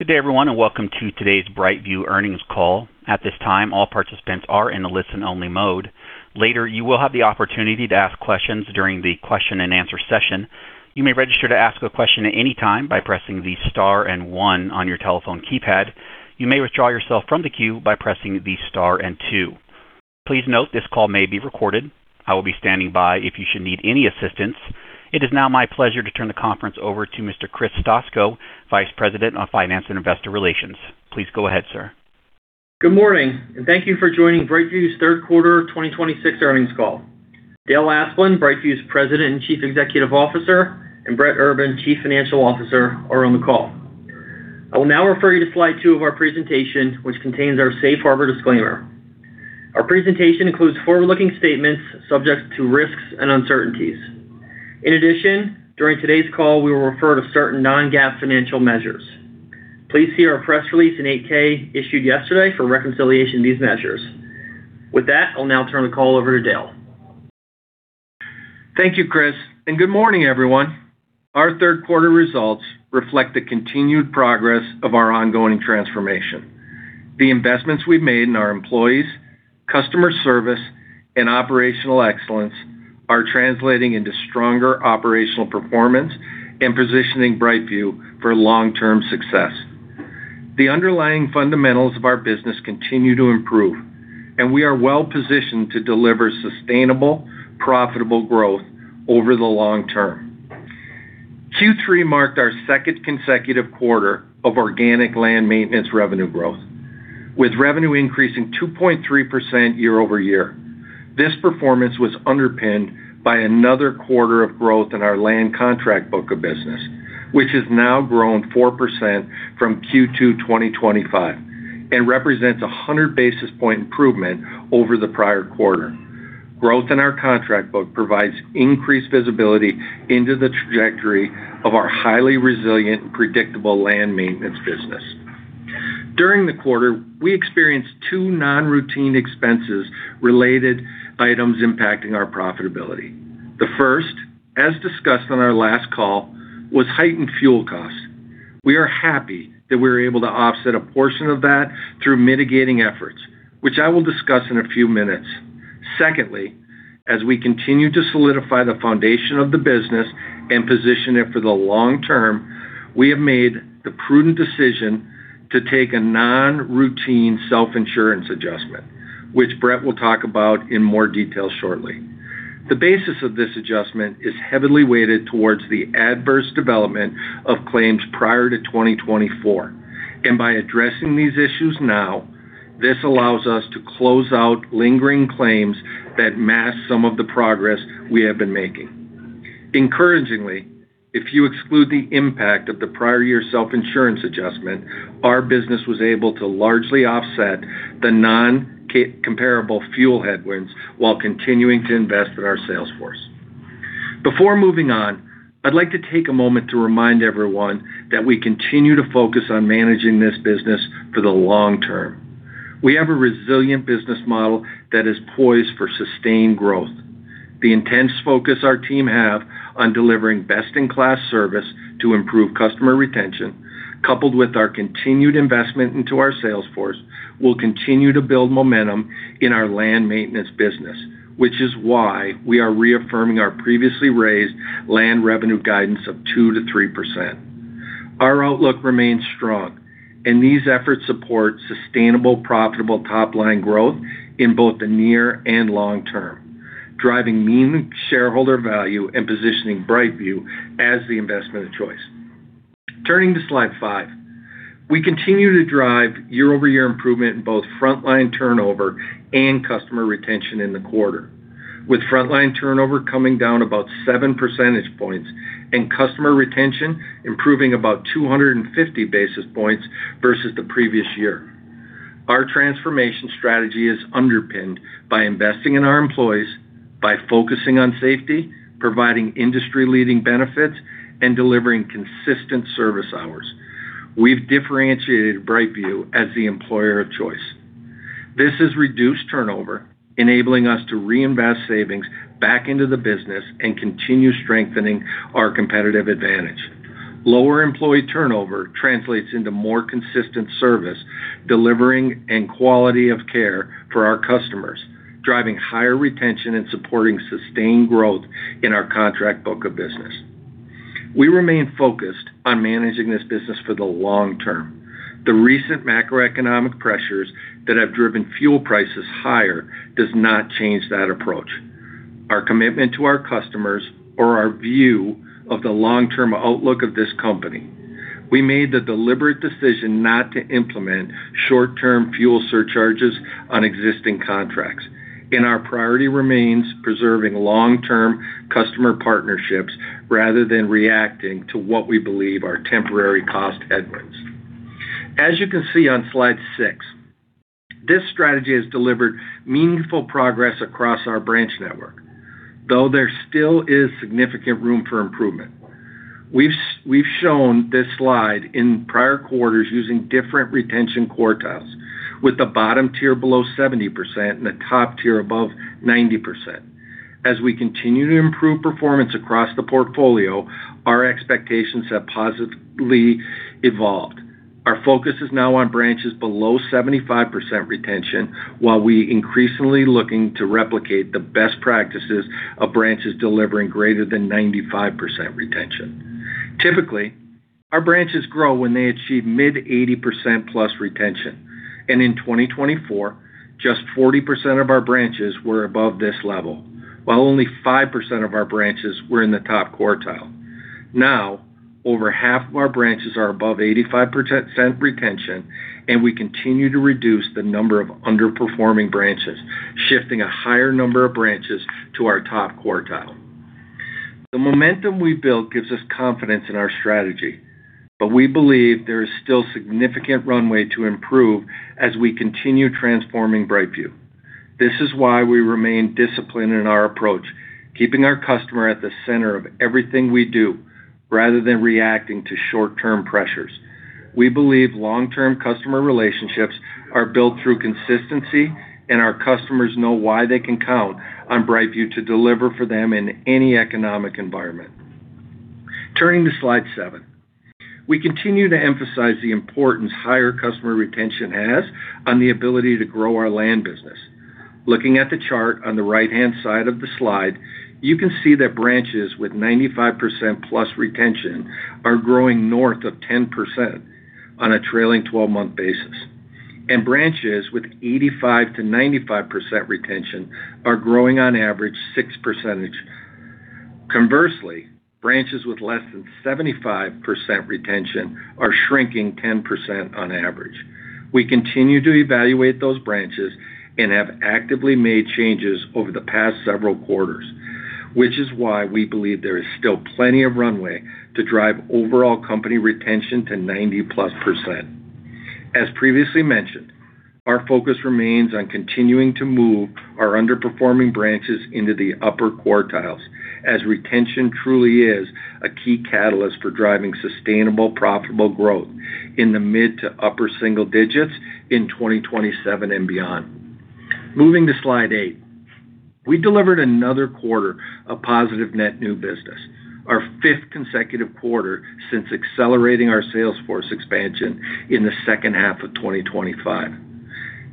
Good day, everyone, and welcome to today's BrightView earnings call. At this time, all participants are in a listen-only mode. Later, you will have the opportunity to ask questions during the question-and-answer session. You may register to ask a question at any time by pressing the star and one on your telephone keypad. You may withdraw yourself from the queue by pressing the star and two. Please note this call may be recorded. I will be standing by if you should need any assistance. It is now my pleasure to turn the conference over to Mr. Chris Stoczko, Vice President of Finance and Investor Relations. Please go ahead, sir. Good morning, and thank you for joining BrightView's third quarter 2026 earnings call. Dale Asplund, BrightView's President and Chief Executive Officer, and Brett Urban, Chief Financial Officer, are on the call. I will now refer you to slide two of our presentation, which contains our safe harbor disclaimer. Our presentation includes forward-looking statements subject to risks and uncertainties. In addition, during today's call, we will refer to certain non-GAAP financial measures. Please see our press release in 8-K issued yesterday for reconciliation of these measures. I'll now turn the call over to Dale. Thank you, Chris, and good morning, everyone. Our third quarter results reflect the continued progress of our ongoing transformation. The investments we've made in our employees, customer service, and operational excellence are translating into stronger operational performance and positioning BrightView for long-term success. The underlying fundamentals of our business continue to improve, and we are well-positioned to deliver sustainable, profitable growth over the long term. Q3 marked our second consecutive quarter of organic land maintenance revenue growth, with revenue increasing 2.3% year-over-year. This performance was underpinned by another quarter of growth in our land contract book of business, which has now grown 4% from Q2 2025 and represents 100 basis point improvement over the prior quarter. Growth in our contract book provides increased visibility into the trajectory of our highly resilient and predictable land maintenance business. During the quarter, we experienced two non-routine expenses related items impacting our profitability. The first, as discussed on our last call, was heightened fuel cost. We are happy that we were able to offset a portion of that through mitigating efforts, which I will discuss in a few minutes. Secondly, as we continue to solidify the foundation of the business and position it for the long term, we have made the prudent decision to take a non-routine self-insurance adjustment, which Brett will talk about in more detail shortly. The basis of this adjustment is heavily weighted towards the adverse development of claims prior to 2024, and by addressing these issues now, this allows us to close out lingering claims that mask some of the progress we have been making. Encouragingly, if you exclude the impact of the prior year self-insurance adjustment, our business was able to largely offset the non-comparable fuel headwinds while continuing to invest in our sales force. Before moving on, I'd like to take a moment to remind everyone that we continue to focus on managing this business for the long term. We have a resilient business model that is poised for sustained growth. The intense focus our team have on delivering best-in-class service to improve customer retention, coupled with our continued investment into our sales force, will continue to build momentum in our land maintenance business, which is why we are reaffirming our previously raised land revenue guidance of 2%-3%. Our outlook remains strong, and these efforts support sustainable, profitable top-line growth in both the near and long term, driving meaningful shareholder value and positioning BrightView as the investment of choice. Turning to slide five. We continue to drive year-over-year improvement in both frontline turnover and customer retention in the quarter, with frontline turnover coming down about seven percentage points and customer retention improving about 250 basis points versus the previous year. Our transformation strategy is underpinned by investing in our employees, by focusing on safety, providing industry-leading benefits, and delivering consistent service hours. We've differentiated BrightView as the employer of choice. This has reduced turnover, enabling us to reinvest savings back into the business and continue strengthening our competitive advantage. Lower employee turnover translates into more consistent service delivering and quality of care for our customers, driving higher retention and supporting sustained growth in our contract book of business. We remain focused on managing this business for the long term. The recent macroeconomic pressures that have driven fuel prices higher does not change that approach. Our commitment to our customers or our view of the long-term outlook of this company, we made the deliberate decision not to implement short-term fuel surcharges on existing contracts. Our priority remains preserving long-term customer partnerships rather than reacting to what we believe are temporary cost headwinds. As you can see on slide six, this strategy has delivered meaningful progress across our branch network, though there still is significant room for improvement. We've shown this slide in prior quarters using different retention quartiles, with the bottom tier below 70% and the top tier above 90%. As we continue to improve performance across the portfolio, our expectations have positively evolved. Our focus is now on branches below 75% retention, while we increasingly looking to replicate the best practices of branches delivering greater than 95% retention. Typically, our branches grow when they achieve mid-80%+ retention. In 2024, just 40% of our branches were above this level, while only 5% of our branches were in the top quartile. Now, over half of our branches are above 85% retention. We continue to reduce the number of underperforming branches, shifting a higher number of branches to our top quartile. The momentum we built gives us confidence in our strategy. We believe there is still significant runway to improve as we continue transforming BrightView. This is why we remain disciplined in our approach, keeping our customer at the center of everything we do rather than reacting to short-term pressures. We believe long-term customer relationships are built through consistency, and our customers know why they can count on BrightView to deliver for them in any economic environment. Turning to slide seven. We continue to emphasize the importance higher customer retention has on the ability to grow our land business. Looking at the chart on the right-hand side of the slide, you can see that branches with 95%+ retention are growing north of 10% on a trailing 12-month basis, and branches with 85%-95% retention are growing on average 6%. Conversely, branches with less than 75% retention are shrinking 10% on average. We continue to evaluate those branches and have actively made changes over the past several quarters, which is why we believe there is still plenty of runway to drive overall company retention to 90%+. As previously mentioned, our focus remains on continuing to move our underperforming branches into the upper quartiles, as retention truly is a key catalyst for driving sustainable, profitable growth in the mid to upper single digits in 2027 and beyond. Moving to slide eight. We delivered another quarter of positive net new business, our fifth consecutive quarter since accelerating our sales force expansion in the second half of 2025.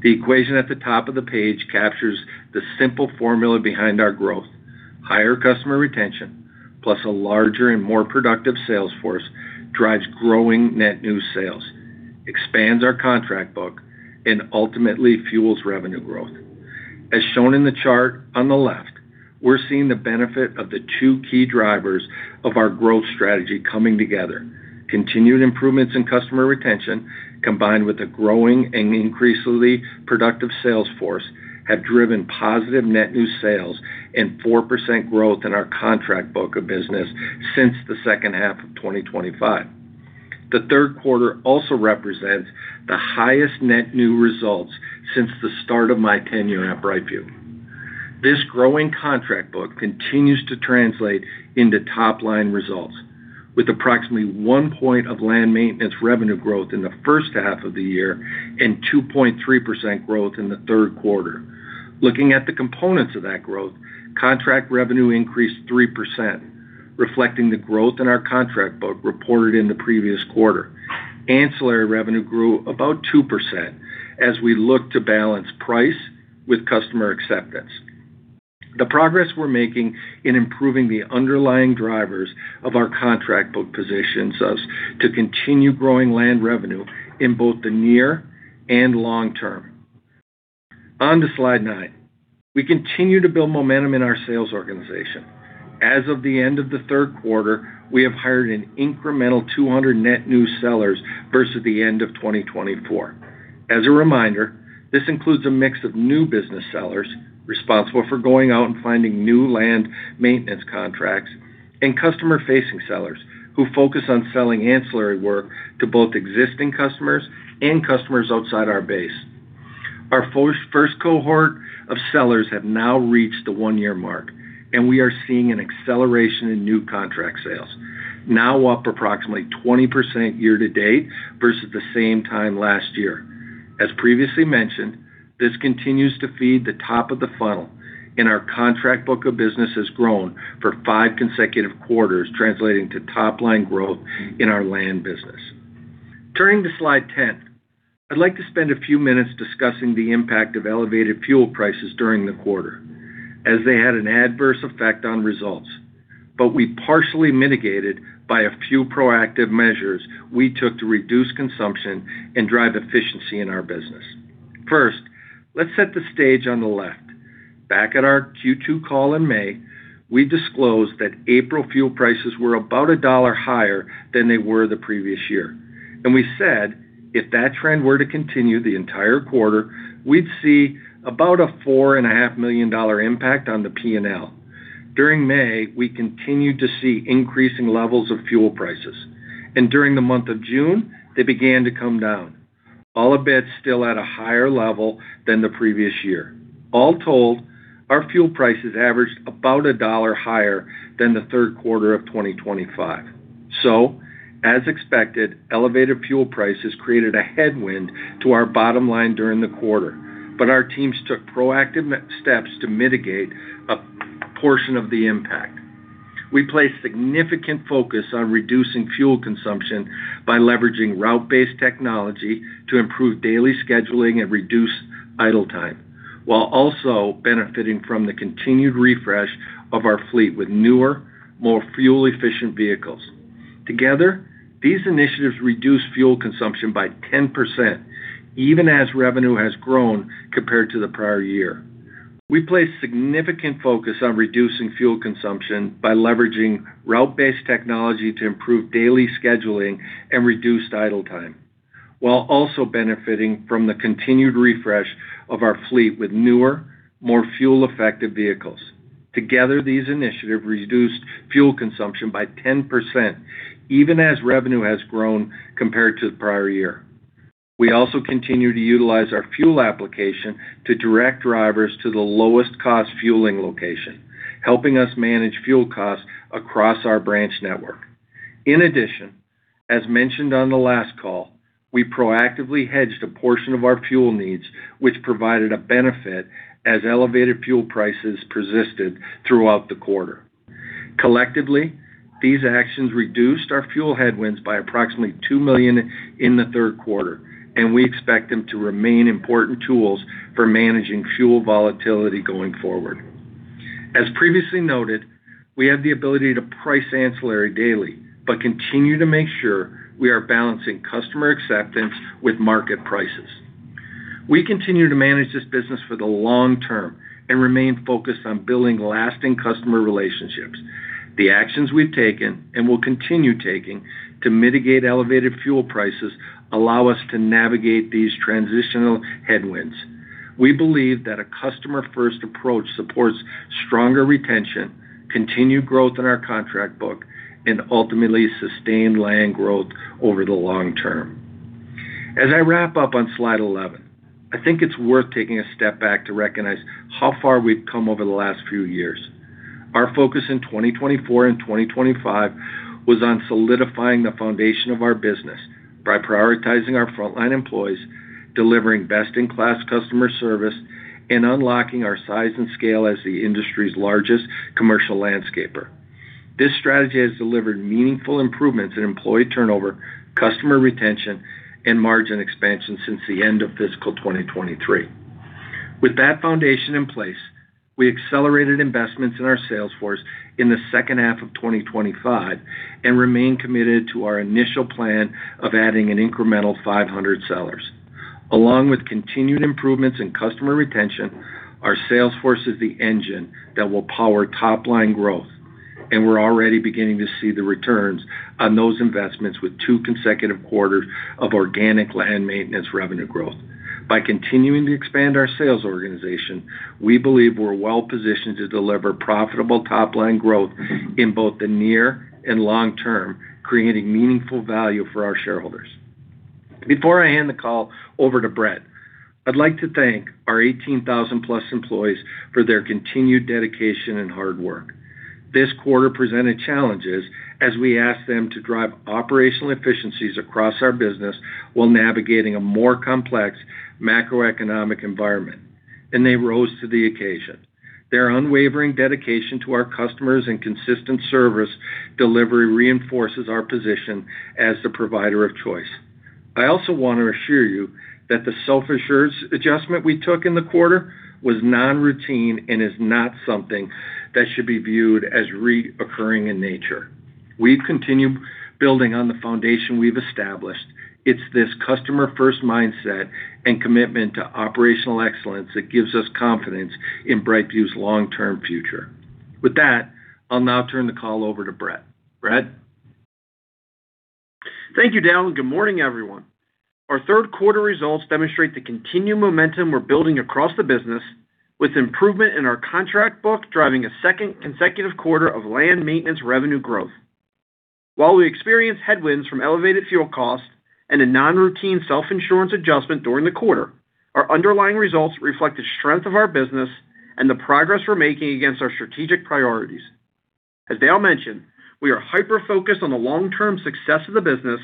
The equation at the top of the page captures the simple formula behind our growth. Higher customer retention, plus a larger and more productive sales force, drives growing net new sales, expands our contract book, and ultimately fuels revenue growth. As shown in the chart on the left, we're seeing the benefit of the two key drivers of our growth strategy coming together. Continued improvements in customer retention, combined with a growing and increasingly productive sales force, have driven positive net new sales and 4% growth in our contract book of business since the second half of 2025. The third quarter also represents the highest net new results since the start of my tenure at BrightView. This growing contract book continues to translate into top-line results, with approximately one point of land maintenance revenue growth in the first half of the year and 2.3% growth in the third quarter. Looking at the components of that growth, contract revenue increased 3%, reflecting the growth in our contract book reported in the previous quarter. Ancillary revenue grew about 2% as we look to balance price with customer acceptance. The progress we're making in improving the underlying drivers of our contract book positions us to continue growing land revenue in both the near and long term. On to slide nine. We continue to build momentum in our sales organization. As of the end of the third quarter, we have hired an incremental 200 net new sellers versus the end of 2024. As a reminder, this includes a mix of new business sellers responsible for going out and finding new land maintenance contracts and customer-facing sellers who focus on selling ancillary work to both existing customers and customers outside our base. Our first cohort of sellers have now reached the one-year mark, and we are seeing an acceleration in new contract sales, now up approximately 20% year-to-date versus the same time last year. As previously mentioned, this continues to feed the top of the funnel, and our contract book of business has grown for five consecutive quarters, translating to top-line growth in our land business. Turning to slide 10. I'd like to spend a few minutes discussing the impact of elevated fuel prices during the quarter as they had an adverse effect on results, but we partially mitigated by a few proactive measures we took to reduce consumption and drive efficiency in our business. First, let's set the stage on the left. Back at our Q2 call in May, we disclosed that April fuel prices were about $1 higher than they were the previous year. We said, if that trend were to continue the entire quarter, we'd see about a $4.5 million impact on the P&L. During May, we continued to see increasing levels of fuel prices, and during the month of June, they began to come down, all a bit still at a higher level than the previous year. All told, our fuel prices averaged about $1 higher than the third quarter of 2025. As expected, elevated fuel prices created a headwind to our bottom line during the quarter. Our teams took proactive steps to mitigate a portion of the impact. We placed significant focus on reducing fuel consumption by leveraging route-based technology to improve daily scheduling and reduce idle time, while also benefiting from the continued refresh of our fleet with newer, more fuel-efficient vehicles. Together, these initiatives reduced fuel consumption by 10%, even as revenue has grown compared to the prior year. We placed significant focus on reducing fuel consumption by leveraging route-based technology to improve daily scheduling and reduce idle time, while also benefiting from the continued refresh of our fleet with newer, more fuel-effective vehicles. Together, these initiatives reduced fuel consumption by 10%, even as revenue has grown compared to the prior year. We also continue to utilize our fuel application to direct drivers to the lowest cost fueling location, helping us manage fuel costs across our branch network. In addition, as mentioned on the last call, we proactively hedged a portion of our fuel needs, which provided a benefit as elevated fuel prices persisted throughout the quarter. Collectively, these actions reduced our fuel headwinds by approximately $2 million in the third quarter, and we expect them to remain important tools for managing fuel volatility going forward. As previously noted, we have the ability to price ancillary daily, but continue to make sure we are balancing customer acceptance with market prices. We continue to manage this business for the long term and remain focused on building lasting customer relationships. The actions we've taken and will continue taking to mitigate elevated fuel prices allow us to navigate these transitional headwinds. We believe that a customer-first approach supports stronger retention, continued growth in our contract book, and ultimately sustained land growth over the long term. As I wrap up on slide 11, I think it's worth taking a step back to recognize how far we've come over the last few years. Our focus in 2024 and 2025 was on solidifying the foundation of our business by prioritizing our frontline employees, delivering best-in-class customer service, and unlocking our size and scale as the industry's largest commercial landscaper. This strategy has delivered meaningful improvements in employee turnover, customer retention, and margin expansion since the end of fiscal 2023. With that foundation in place, we accelerated investments in our sales force in the second half of 2025 and remain committed to our initial plan of adding an incremental 500 sellers. Along with continued improvements in customer retention, our sales force is the engine that will power top-line growth, and we're already beginning to see the returns on those investments with two consecutive quarters of organic land maintenance revenue growth. By continuing to expand our sales organization, we believe we're well positioned to deliver profitable top-line growth in both the near and long term, creating meaningful value for our shareholders. Before I hand the call over to Brett, I'd like to thank our 18,000 plus employees for their continued dedication and hard work. This quarter presented challenges as we asked them to drive operational efficiencies across our business while navigating a more complex macroeconomic environment. They rose to the occasion. Their unwavering dedication to our customers and consistent service delivery reinforces our position as the provider of choice. I also want to assure you that the self-insurance adjustment we took in the quarter was non-routine and is not something that should be viewed as recurring in nature. We continue building on the foundation we've established. It's this customer-first mindset and commitment to operational excellence that gives us confidence in BrightView's long-term future. With that, I'll now turn the call over to Brett. Brett? Thank you, Dale, and good morning, everyone. Our third quarter results demonstrate the continued momentum we're building across the business with improvement in our contract book, driving a second consecutive quarter of land maintenance revenue growth. While we experienced headwinds from elevated fuel costs and a non-routine self-insurance adjustment during the quarter, our underlying results reflect the strength of our business and the progress we're making against our strategic priorities. As Dale mentioned, we are hyper-focused on the long-term success of the business,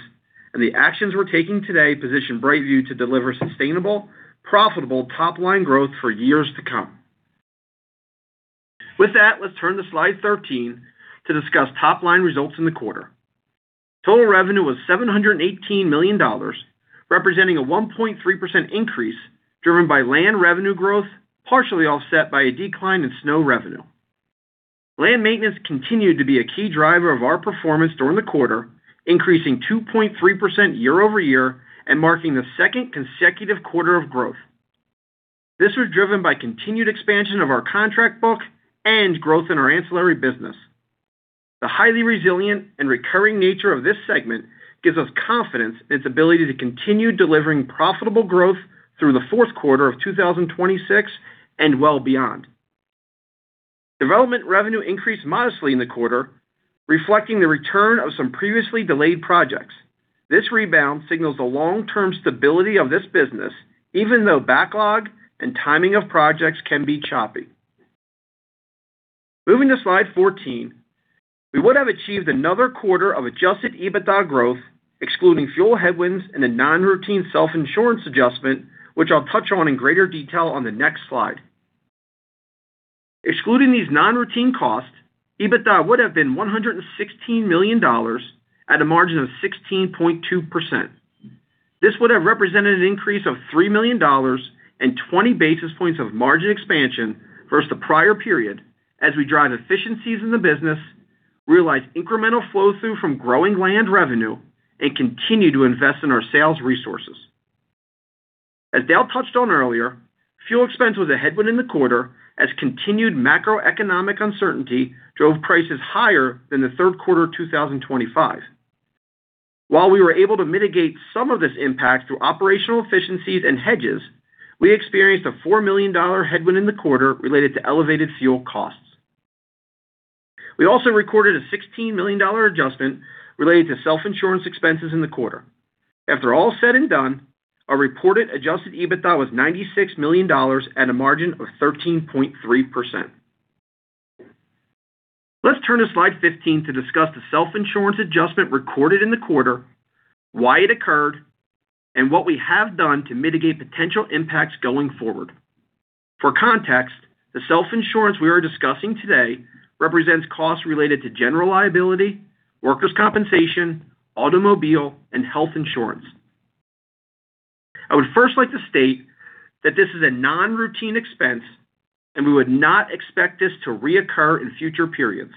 and the actions we're taking today position BrightView to deliver sustainable, profitable top-line growth for years to come. With that, let's turn to slide 13 to discuss top-line results in the quarter. Total revenue was $718 million, representing a 1.3% increase driven by land revenue growth, partially offset by a decline in snow revenue. Land maintenance continued to be a key driver of our performance during the quarter, increasing 2.3% year-over-year and marking the second consecutive quarter of growth. This was driven by continued expansion of our contract book and growth in our ancillary business. The highly resilient and recurring nature of this segment gives us confidence in its ability to continue delivering profitable growth through the fourth quarter of 2026 and well beyond. Development revenue increased modestly in the quarter, reflecting the return of some previously delayed projects. This rebound signals the long-term stability of this business, even though backlog and timing of projects can be choppy. Moving to slide 14, we would have achieved another quarter of adjusted EBITDA growth, excluding fuel headwinds and a non-routine self-insurance adjustment, which I'll touch on in greater detail on the next slide. Excluding these non-routine costs, EBITDA would have been $116 million at a margin of 16.2%. This would have represented an increase of $3 million and 20 basis points of margin expansion versus the prior period as we drive efficiencies in the business, realize incremental flow through from growing land revenue, and continue to invest in our sales resources. As Dale touched on earlier, fuel expense was a headwind in the quarter as continued macroeconomic uncertainty drove prices higher than the third quarter 2025. While we were able to mitigate some of this impact through operational efficiencies and hedges, we experienced a $4 million headwind in the quarter related to elevated fuel costs. We also recorded a $16 million adjustment related to self-insurance expenses in the quarter. After all is said and done, our reported adjusted EBITDA was $96 million at a margin of 13.3%. Let's turn to slide 15 to discuss the self-insurance adjustment recorded in the quarter, why it occurred, and what we have done to mitigate potential impacts going forward. For context, the self-insurance we are discussing today represents costs related to general liability, workers' compensation, automobile, and health insurance. I would first like to state that this is a non-routine expense, and we would not expect this to reoccur in future periods.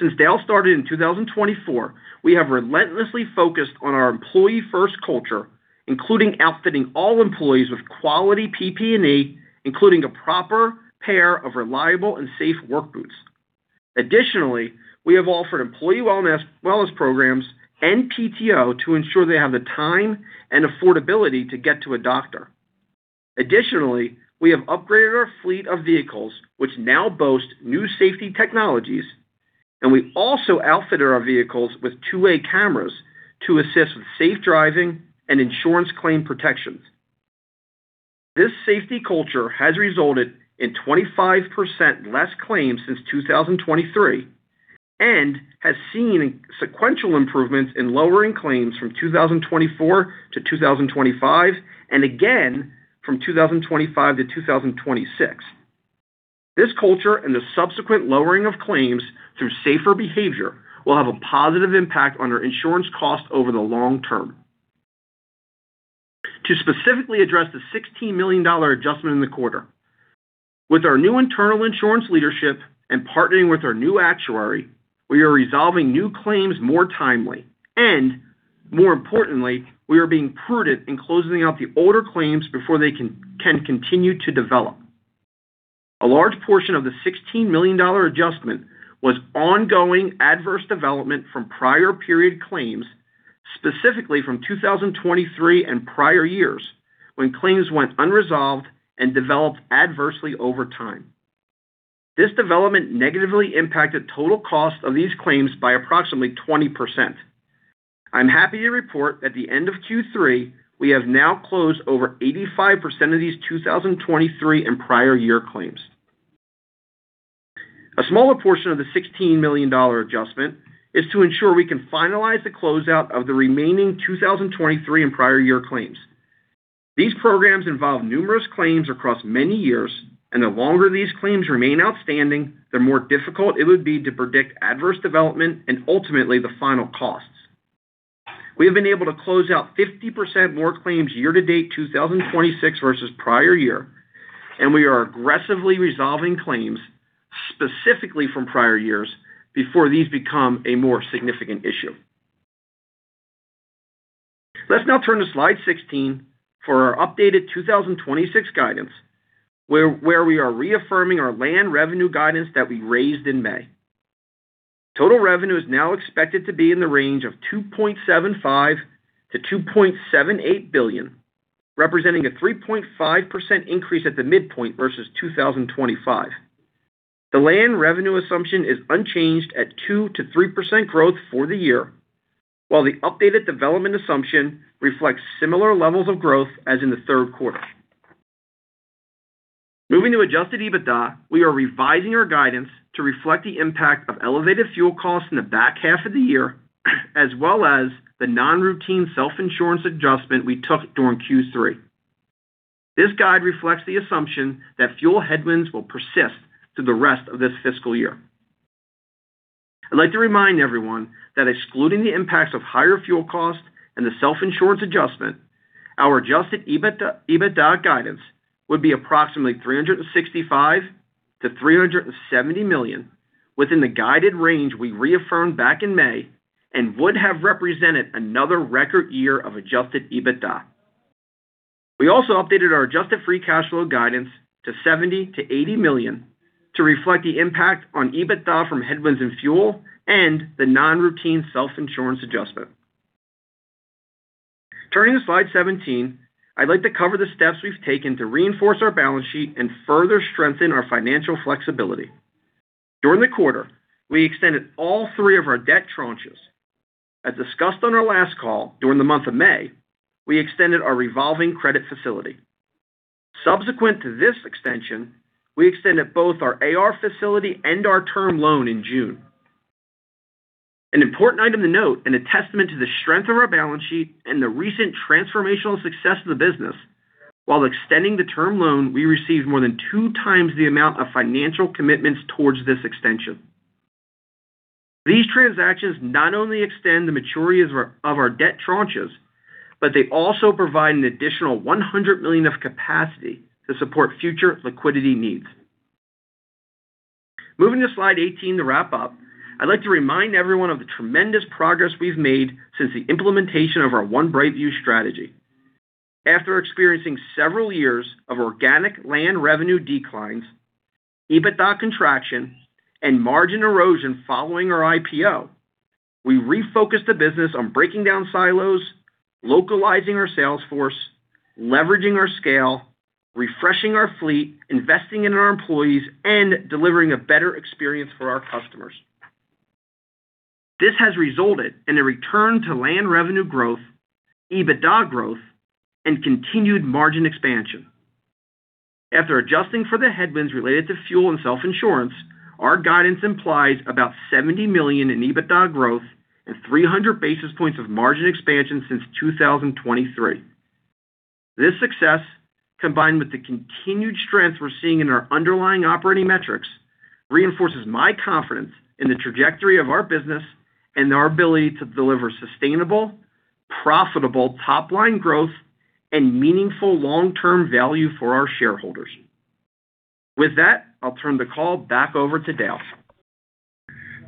Since Dale started in 2024, we have relentlessly focused on our employee-first culture, including outfitting all employees with quality PPE including a proper pair of reliable and safe work boots. Additionally, we have offered employee wellness programs and PTO to ensure they have the time and affordability to get to a doctor. Additionally, we have upgraded our fleet of vehicles, which now boast new safety technologies, and we also outfitted our vehicles with two-way cameras to assist with safe driving and insurance claim protections. This safety culture has resulted in 25% less claims since 2023 and has seen sequential improvements in lowering claims from 2024 to 2025 and again from 2025 to 2026. This culture and the subsequent lowering of claims through safer behavior will have a positive impact on our insurance costs over the long term. To specifically address the $16 million adjustment in the quarter, with our new internal insurance leadership and partnering with our new actuary, we are resolving new claims more timely, and more importantly, we are being prudent in closing out the older claims before they can continue to develop. A large portion of the $16 million adjustment was ongoing adverse development from prior period claims, specifically from 2023 and prior years when claims went unresolved and developed adversely over time. This development negatively impacted total cost of these claims by approximately 20%. I'm happy to report at the end of Q3, we have now closed over 85% of these 2023 and prior year claims. A smaller portion of the $16 million adjustment is to ensure we can finalize the closeout of the remaining 2023 and prior year claims. These programs involve numerous claims across many years, and the longer these claims remain outstanding, the more difficult it would be to predict adverse development and ultimately the final costs. We have been able to close out 50% more claims year to date 2026 versus prior year. We are aggressively resolving claims, specifically from prior years, before these become a more significant issue. Let's now turn to slide 16 for our updated 2026 guidance, where we are reaffirming our land revenue guidance that we raised in May. Total revenue is now expected to be in the range of $2.75 billion-$2.78 billion, representing a 3.5% increase at the midpoint versus 2025. The land revenue assumption is unchanged at 2%-3% growth for the year, while the updated development assumption reflects similar levels of growth as in the third quarter. Moving to adjusted EBITDA, we are revising our guidance to reflect the impact of elevated fuel costs in the back half of the year, as well as the non-routine self-insurance adjustment we took during Q3. This guide reflects the assumption that fuel headwinds will persist through the rest of this fiscal year. I'd like to remind everyone that excluding the impacts of higher fuel costs and the self-insurance adjustment, our adjusted EBITDA guidance would be approximately $365 million-$370 million within the guided range we reaffirmed back in May and would have represented another record year of adjusted EBITDA. We also updated our adjusted free cash flow guidance to $70 million-$80 million to reflect the impact on EBITDA from headwinds in fuel and the non-routine self-insurance adjustment. Turning to slide 17, I'd like to cover the steps we've taken to reinforce our balance sheet and further strengthen our financial flexibility. During the quarter, we extended all three of our debt tranches. As discussed on our last call, during the month of May, we extended our revolving credit facility. Subsequent to this extension, we extended both our AR facility and our term loan in June. An important item to note and a testament to the strength of our balance sheet and the recent transformational success of the business, while extending the term loan, we received more than two times the amount of financial commitments towards this extension. These transactions not only extend the maturities of our debt tranches, but they also provide an additional $100 million of capacity to support future liquidity needs. Moving to slide 18 to wrap up, I'd like to remind everyone of the tremendous progress we've made since the implementation of our One BrightView strategy. After experiencing several years of organic land revenue declines, EBITDA contraction, and margin erosion following our IPO, we refocused the business on breaking down silos, localizing our sales force, leveraging our scale, refreshing our fleet, investing in our employees, and delivering a better experience for our customers. This has resulted in a return to land revenue growth, EBITDA growth, and continued margin expansion. After adjusting for the headwinds related to fuel and self-insurance, our guidance implies about $70 million in EBITDA growth and 300 basis points of margin expansion since 2023. This success, combined with the continued strength we're seeing in our underlying operating metrics, reinforces my confidence in the trajectory of our business and our ability to deliver sustainable, profitable top-line growth and meaningful long-term value for our shareholders. With that, I'll turn the call back over to Dale.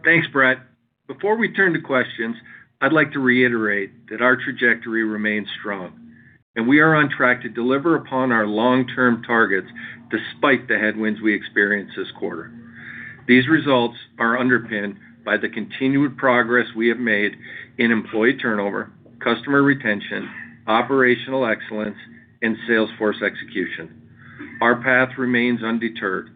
Thanks, Brett. Before we turn to questions, I'd like to reiterate that our trajectory remains strong, and we are on track to deliver upon our long-term targets despite the headwinds we experienced this quarter. These results are underpinned by the continued progress we have made in employee turnover, customer retention, operational excellence, and sales force execution. Our path remains undeterred,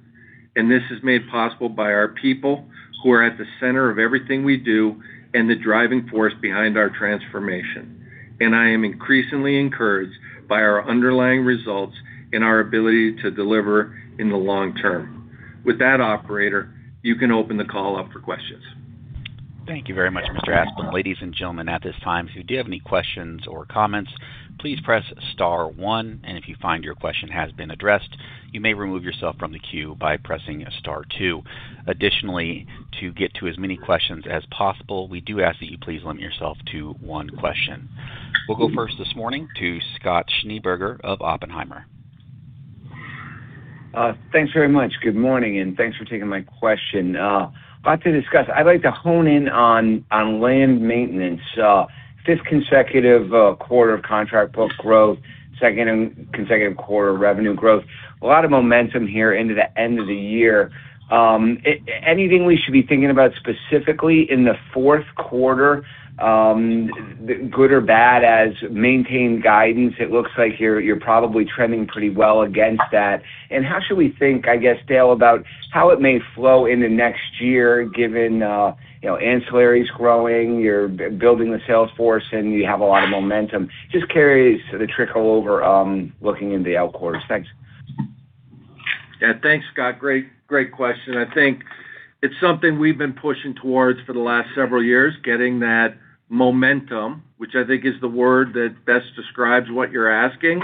and this is made possible by our people, who are at the center of everything we do and the driving force behind our transformation. I am increasingly encouraged by our underlying results and our ability to deliver in the long term. With that, operator, you can open the call up for questions. Thank you very much, Mr. Asplund. Ladies and gentlemen, at this time, if you do have any questions or comments, please press star 1. If you find your question has been addressed, you may remove yourself from the queue by pressing star 2. Additionally, to get to as many questions as possible, we do ask that you please limit yourself to one question. We'll go first this morning to Scott Schneeberger of Oppenheimer. Thanks very much. Good morning, thanks for taking my question. Lot to discuss. I'd like to hone in on land maintenance. Fifth consecutive quarter of contract book growth, second consecutive quarter of revenue growth. A lot of momentum here into the end of the year. Anything we should be thinking about specifically in the fourth quarter, good or bad, as maintained guidance? It looks like you're probably trending pretty well against that. How should we think, I guess, Dale, about how it may flow into next year, given ancillaries growing, you're building the sales force, and you have a lot of momentum. Just carries the trickle over looking into the out quarters. Thanks. Yeah. Thanks, Scott. Great question. I think it's something we've been pushing towards for the last several years, getting that momentum, which I think is the word that best describes what you're asking.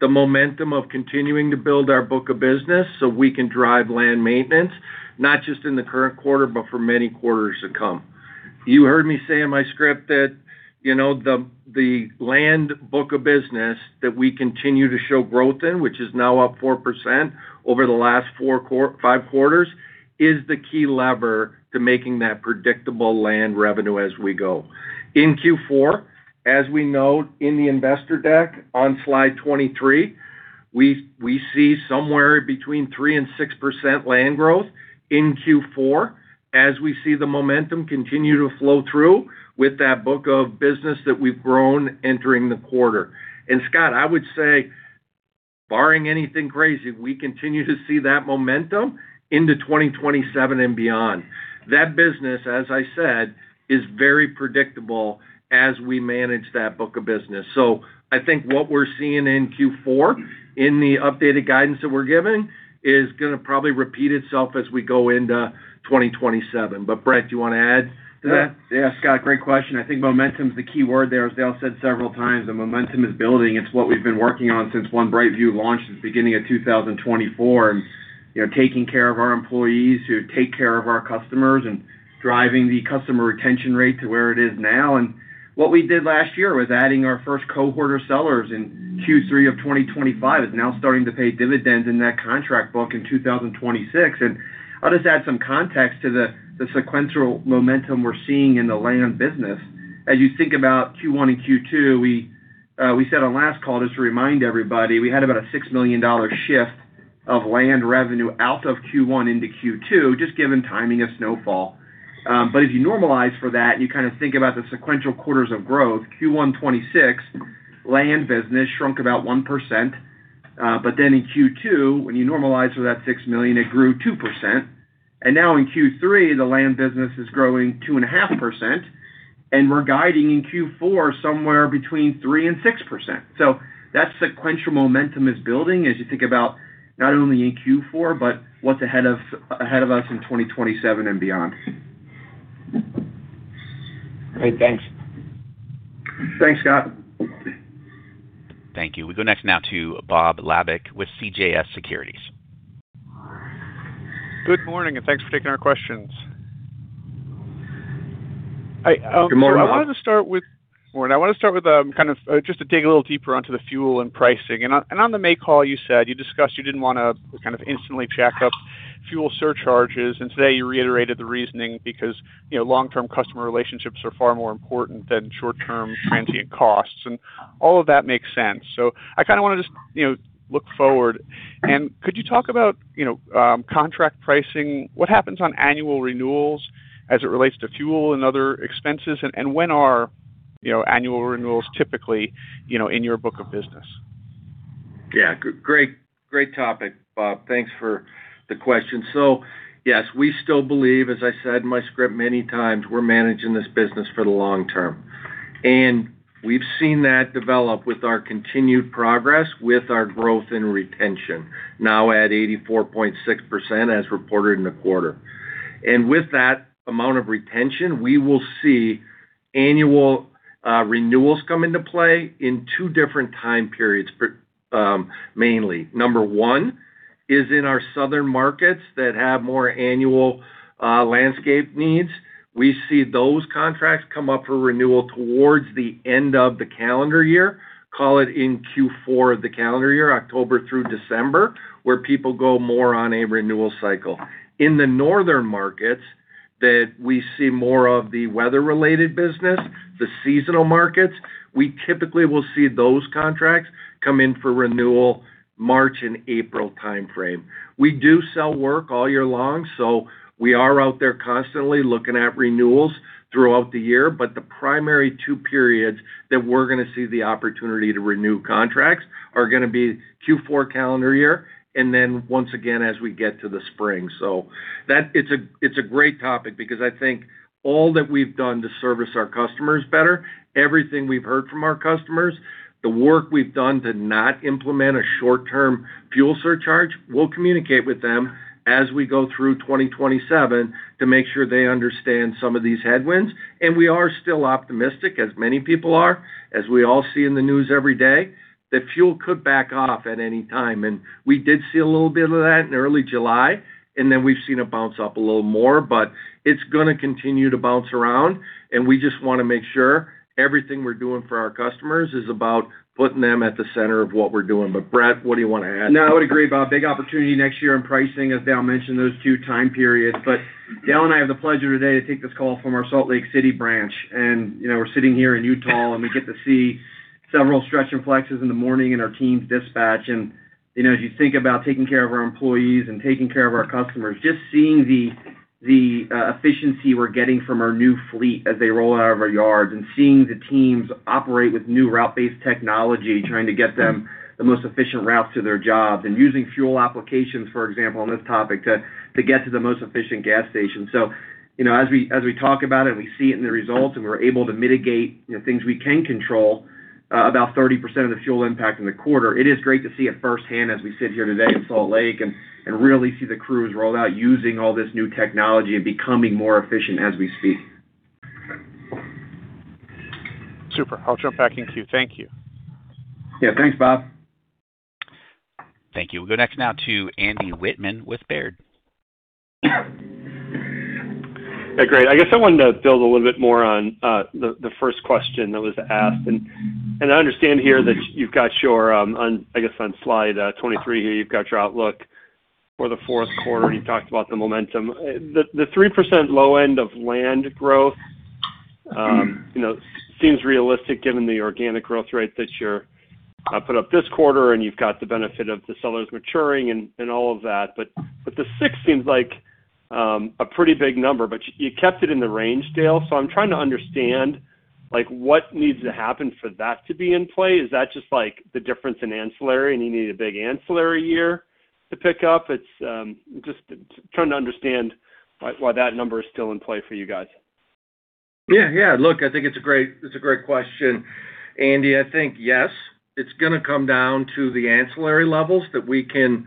The momentum of continuing to build our book of business so we can drive land maintenance, not just in the current quarter, but for many quarters to come. You heard me say in my script that the land book of business that we continue to show growth in, which is now up 4% over the last five quarters, is the key lever to making that predictable land revenue as we go. In Q4, as we note in the investor deck on slide 23, we see somewhere between 3%-6% land growth in Q4 as we see the momentum continue to flow through with that book of business that we've grown entering the quarter. Scott, I would say barring anything crazy, we continue to see that momentum into 2027 and beyond. That business, as I said, is very predictable as we manage that book of business. I think what we're seeing in Q4 in the updated guidance that we're giving is going to probably repeat itself as we go into 2027. Brett, do you want to add to that? Yeah, Scott, great question. I think momentum is the key word there. As Dale said several times, the momentum is building. It's what we've been working on since One BrightView launched at the beginning of 2024, taking care of our employees who take care of our customers and driving the customer retention rate to where it is now. What we did last year was adding our first cohort of sellers in Q3 of 2025 is now starting to pay dividends in that contract book in 2026. I'll just add some context to the sequential momentum we're seeing in the land business. As you think about Q1 and Q2, we said on last call, just to remind everybody, we had about a $6 million shift of land revenue out of Q1 into Q2, just given timing of snowfall. If you normalize for that and you kind of think about the sequential quarters of growth, Q1 2026, land business shrunk about 1%. In Q2, when you normalize for that $6 million, it grew 2%. Now in Q3, the land business is growing 2.5%, and we're guiding in Q4 somewhere between 3% and 6%. That sequential momentum is building as you think about not only in Q4, but what's ahead of us in 2027 and beyond. Great. Thanks. Thanks, Scott. Thank you. We go next now to Bob Labick with CJS Securities. Good morning, thanks for taking our questions. Good morning, Bob. I wanted to start with kind of just to dig a little deeper onto the fuel and pricing. On the May call, you said you discussed you did not want to kind of instantly jack up fuel surcharges, and today you reiterated the reasoning because long-term customer relationships are far more important than short-term transient costs. All of that makes sense. I kind of want to just look forward. Could you talk about contract pricing? What happens on annual renewals as it relates to fuel and other expenses? When are annual renewals typically in your book of business? Yeah. Great topic, Bob. Thanks for the question. Yes, we still believe, as I said in my script many times, we are managing this business for the long term. We have seen that develop with our continued progress with our growth in retention, now at 84.6% as reported in the quarter. With that amount of retention, we will see annual renewals come into play in two different time periods, mainly. Number one is in our southern markets that have more annual landscape needs. We see those contracts come up for renewal towards the end of the calendar year, call it in Q4 of the calendar year, October through December, where people go more on a renewal cycle. In the northern markets, that we see more of the weather-related business, the seasonal markets, we typically will see those contracts come in for renewal March and April timeframe. We do sell work all year long, we are out there constantly looking at renewals throughout the year. But the primary two periods that we are going to see the opportunity to renew contracts are going to be Q4 calendar year, and then once again as we get to the spring. It is a great topic because I think all that we have done to service our customers better, everything we have heard from our customers, the work we have done to not implement a short-term fuel surcharge, we will communicate with them as we go through 2027 to make sure they understand some of these headwinds. We are still optimistic, as many people are, as we all see in the news every day, that fuel could back off at any time. We did see a little bit of that in early July, and then we've seen it bounce up a little more, but it's going to continue to bounce around, and we just want to make sure everything we're doing for our customers is about putting them at the center of what we're doing. Brett, what do you want to add? No, I would agree, Bob. Big opportunity next year in pricing, as Dale mentioned, those two time periods. Dale and I have the pleasure today to take this call from our Salt Lake City branch. We're sitting here in Utah, and we get to see several stretch and flexes in the morning in our teams dispatch. As you think about taking care of our employees and taking care of our customers, just seeing the efficiency we're getting from our new fleet as they roll out of our yards and seeing the teams operate with new route-based technology, trying to get them the most efficient routes to their jobs, and using fuel applications, for example, on this topic, to get to the most efficient gas station. As we talk about it, and we see it in the results, and we're able to mitigate things we can control, about 30% of the fuel impact in the quarter, it is great to see it firsthand as we sit here today in Salt Lake and really see the crews roll out using all this new technology and becoming more efficient as we speak. Super. I'll jump back in queue. Thank you. Yeah. Thanks, Bob. Thank you. We'll go next now to Andy Wittmann with Baird. Yeah, great. I guess I wanted to build a little bit more on the first question that was asked. I understand here that you've got your, I guess, on slide 23 here, you've got your outlook for the fourth quarter, and you talked about the momentum. The 3% low end of land growth seems realistic given the organic growth rate that you put up this quarter, and you've got the benefit of the sellers maturing and all of that. But the six seems like a pretty big number, but you kept it in the range, Dale. I'm trying to understand what needs to happen for that to be in play. Is that just, like, the difference in ancillary, and you need a big ancillary year to pick up? Just trying to understand why that number is still in play for you guys. Yeah. Look, I think it's a great question, Andy. I think yes, it's going to come down to the ancillary levels that we can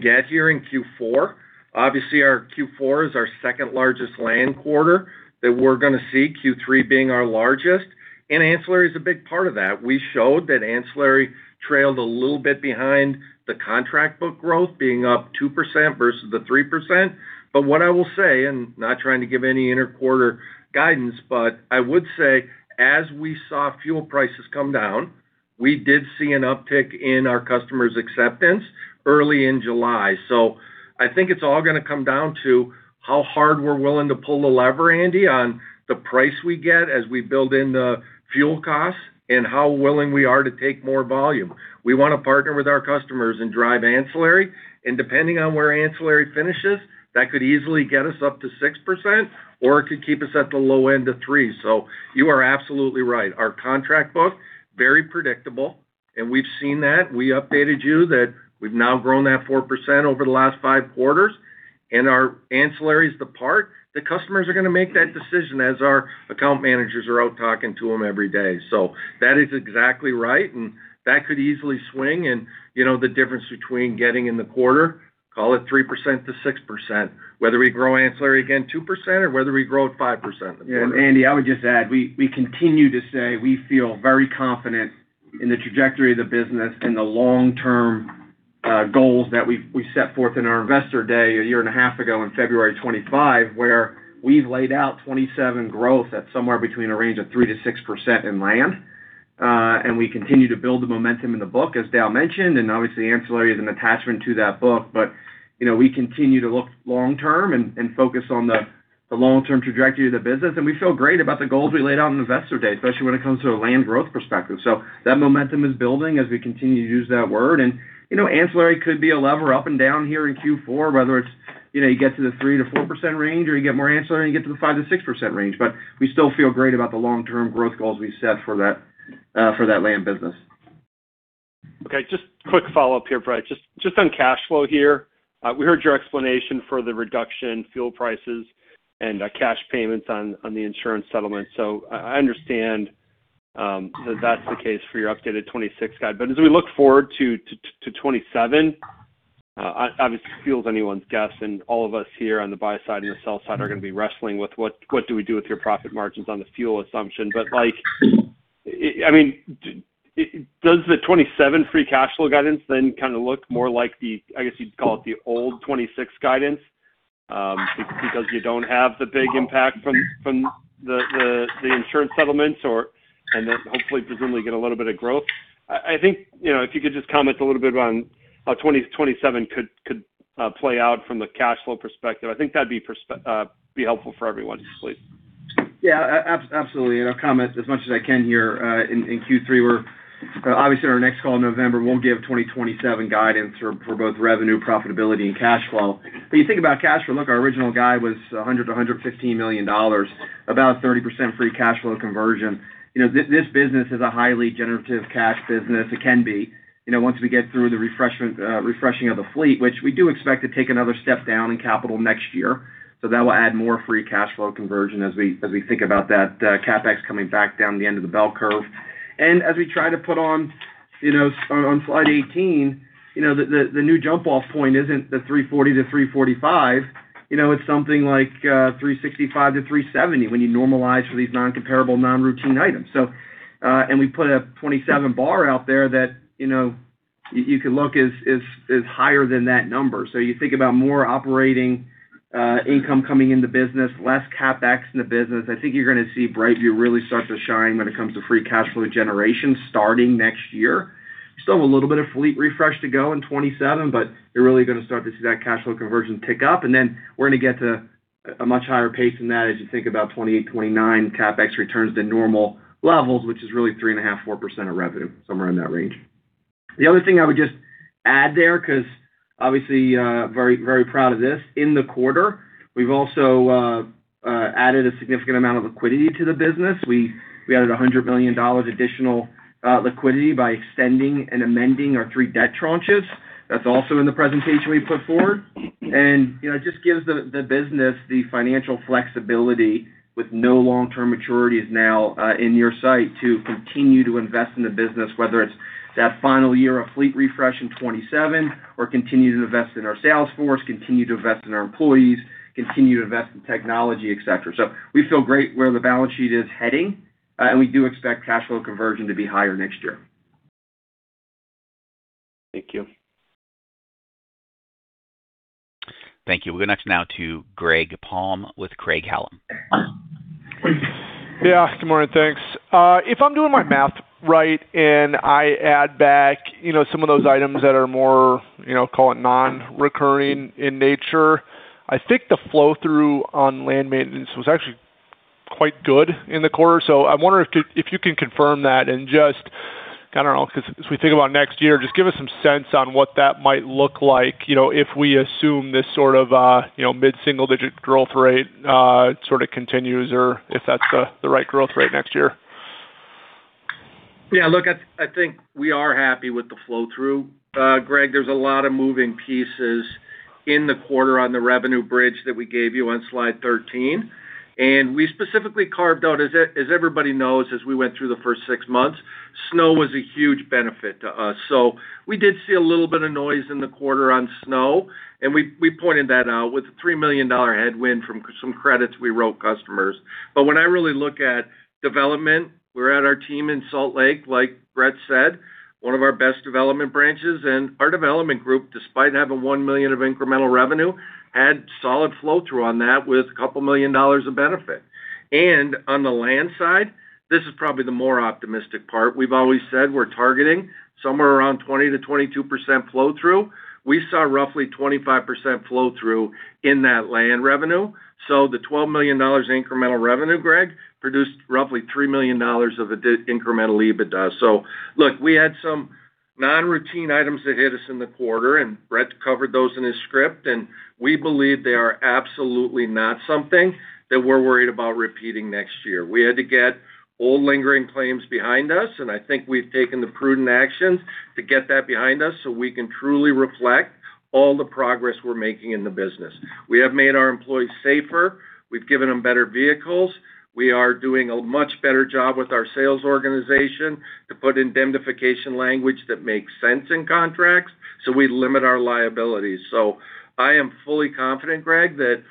get here in Q4. Obviously, our Q4 is our second largest land quarter that we're going to see, Q3 being our largest. Ancillary is a big part of that. We showed that ancillary trailed a little bit behind the contract book growth, being up 2% versus the 3%. What I will say, and not trying to give any inter-quarter guidance, but I would say as we saw fuel prices come down, we did see an uptick in our customers' acceptance early in July. I think it's all going to come down to how hard we're willing to pull the lever, Andy, on the price we get as we build in the fuel costs and how willing we are to take more volume. We want to partner with our customers and drive ancillary. Depending on where ancillary finishes, that could easily get us up to 6% or it could keep us at the low end of 3%. You are absolutely right. Our contract book, very predictable. We've seen that. We updated you that we've now grown that 4% over the last five quarters. Our ancillary is the part. The customers are going to make that decision as our account managers are out talking to them every day. That is exactly right, and that could easily swing. The difference between getting in the quarter, call it 3% to 6%, whether we grow ancillary again 2% or whether we grow it 5% in the quarter. I would just add, we continue to say we feel very confident in the trajectory of the business and the long-term goals that we set forth in our Investor Day a year and a half ago on February 25, where we've laid out 2027 growth at somewhere between a range of 3%-6% in land. We continue to build the momentum in the book, as Dale mentioned, and obviously ancillary is an attachment to that book. We continue to look long-term and focus on the long-term trajectory of the business. We feel great about the goals we laid out on Investor Day, especially when it comes to a land growth perspective. That momentum is building as we continue to use that word. Ancillary could be a lever up and down here in Q4, whether it's you get to the 3%-4% range or you get more ancillary and you get to the 5%-6% range. We still feel great about the long-term growth goals we've set for that land business. Okay. Just quick follow-up here, Brett. Just on cash flow here. We heard your explanation for the reduction in fuel prices and cash payments on the insurance settlement. I understand that's the case for your updated 2026 guide. As we look forward to 2027, obviously it fuels anyone's guess, and all of us here on the buy side and the sell side are going to be wrestling with what do we do with your profit margins on the fuel assumption. Does the 2027 free cash flow guidance then kind of look more like the, I guess you'd call it the old 2026 guidance? And then hopefully presumably get a little bit of growth. I think if you could just comment a little bit on how 2027 could play out from the cash flow perspective. I think that'd be helpful for everyone, please. Yeah. Absolutely. I'll comment as much as I can here. In Q3, obviously on our next call in November, we'll give 2027 guidance for both revenue profitability and cash flow. You think about cash flow, look, our original guide was $100 million-$115 million, about 30% free cash flow conversion. This business is a highly generative cash business. It can be once we get through the refreshing of the fleet, which we do expect to take another step down in capital next year. That will add more free cash flow conversion as we think about that CapEx coming back down the end of the bell curve. As we try to put on slide 18, the new jump-off point isn't the $340 million-$345 million. It's something like $365 million-$370 million when you normalize for these non-comparable, non-routine items. We put a 2027 bar out there that you could look is higher than that number. You think about more operating income coming in the business, less CapEx in the business. I think you're going to see BrightView really start to shine when it comes to free cash flow generation starting next year. You still have a little bit of fleet refresh to go in 2027, you're really going to start to see that cash flow conversion tick up. We're going to get to a much higher pace than that as you think about 2028, 2029 CapEx returns to normal levels, which is really 3.5%, 4% of revenue, somewhere in that range. The other thing I would just add there, because obviously very proud of this. In the quarter, we've also added a significant amount of liquidity to the business. We added $100 million additional liquidity by extending and amending our three debt tranches. That's also in the presentation we put forward. It just gives the business the financial flexibility with no long-term maturities now in your sight to continue to invest in the business, whether it's that final year of fleet refresh in 2027 or continue to invest in our sales force, continue to invest in our employees, continue to invest in technology, et cetera. We feel great where the balance sheet is heading, we do expect cash flow conversion to be higher next year. Thank you. Thank you. We'll go next now to Greg Palm with Craig-Hallum. Yeah. Good morning, thanks. If I'm doing my math right and I add back some of those items that are more call it non-recurring in nature, I think the flow-through on land maintenance was actually quite good in the quarter. I wonder if you can confirm that and just kind of as we think about next year, just give us some sense on what that might look like if we assume this sort of mid-single digit growth rate sort of continues or if that's the right growth rate next year. Yeah, look, I think we are happy with the flow-through, Greg. There's a lot of moving pieces in the quarter on the revenue bridge that we gave you on slide 13. We specifically carved out, as everybody knows, as we went through the first six months, snow was a huge benefit to us. We did see a little bit of noise in the quarter on snow, and we pointed that out with a $3 million headwind from some credits we wrote customers. When I really look at development, we're at our team in Salt Lake, like Brett said, one of our best development branches. Our development group, despite having one million of incremental revenue, had solid flow-through on that with a couple million dollars of benefit. On the land side, this is probably the more optimistic part. We've always said we're targeting somewhere around 20%-22% flow-through. We saw roughly 25% flow-through in that land revenue. The $12 million incremental revenue, Greg, produced roughly $3 million of incremental EBITDA. Look, we had some non-routine items that hit us in the quarter, and Brett covered those in his script. We believe they are absolutely not something that we're worried about repeating next year. We had to get old lingering claims behind us, and I think we've taken the prudent actions to get that behind us so we can truly reflect all the progress we're making in the business. We have made our employees safer. We've given them better vehicles. We are doing a much better job with our sales organization to put indemnification language that makes sense in contracts so we limit our liability. I am fully confident, Greg, that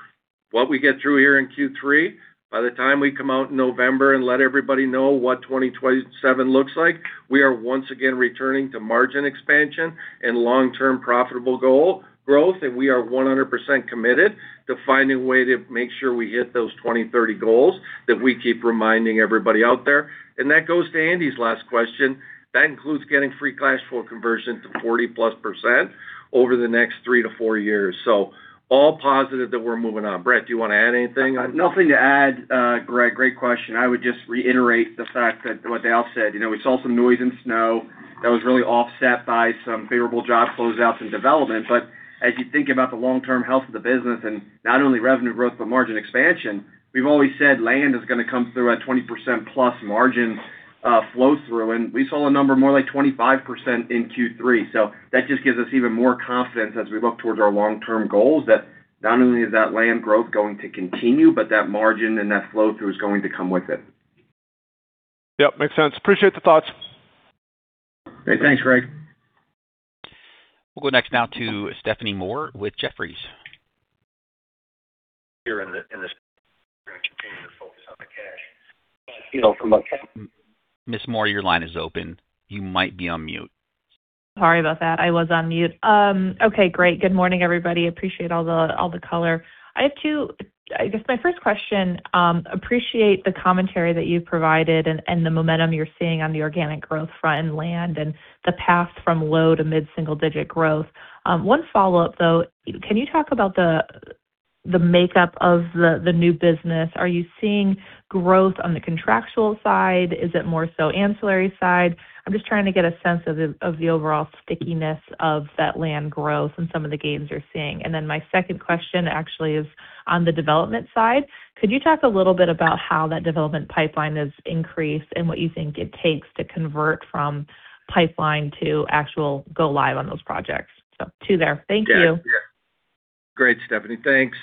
what we get through here in Q3, by the time we come out in November and let everybody know what 2027 looks like, we are once again returning to margin expansion and long-term profitable goal growth. We are 100% committed to finding a way to make sure we hit those 2030 goals that we keep reminding everybody out there. That goes to Andy's last question. That includes getting free cash flow conversion to +40% over the next three to four years. All positive that we're moving on. Brett, do you want to add anything on that? Nothing to add, Greg. Great question. I would just reiterate the fact that what Dale said. As you think about the long-term health of the business and not only revenue growth, but margin expansion, we've always said land is going to come through at +20% margin flow-through. We saw a number more like 25% in Q3. That just gives us even more confidence as we look towards our long-term goals that not only is that land growth going to continue, but that margin and that flow-through is going to come with it. Yep, makes sense. Appreciate the thoughts. Great. Thanks, Greg. We'll go next now to Stephanie Moore with Jefferies. Here in this, we're going to continue to focus on the cash. [But from a ca] Ms. Moore, your line is open. You might be on mute. Sorry about that. I was on mute. Okay, great. Good morning, everybody. Appreciate all the color. I guess my first question, appreciate the commentary that you've provided and the momentum you're seeing on the organic growth front in land and the path from low to mid-single-digit growth. One follow-up, though. Can you talk about the makeup of the new business? Are you seeing growth on the contractual side? Is it more so ancillary side? I'm just trying to get a sense of the overall stickiness of that land growth and some of the gains you're seeing. My second question actually is on the development side. Could you talk a little bit about how that development pipeline has increased and what you think it takes to convert from pipeline to actual go live on those projects? So two there. Thank you. Great, Stephanie. Thanks.